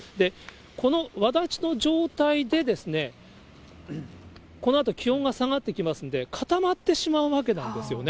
このわだちの状態で、このあと気温が下がってきますんで、固まってしまうわけなんですよね。